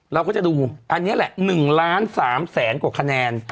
เราก็จะดูอันนี้แหละ๑ล้าน๓แสนกว่าคะแนน